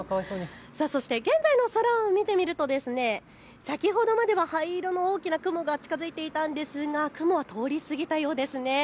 そして現在の空を見てみると先ほどまでは灰色の大きな雲が近づいていたんですが雲、通り過ぎたようですね。